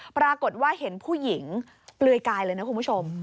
ปรากฏว่าเห็นผู้หญิงเปลือยกายเลยนะคุณผู้ชม